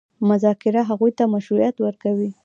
مذاکره هغوی ته مشروعیت ورکوي.